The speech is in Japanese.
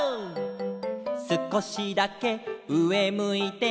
「すこしだけうえむいて」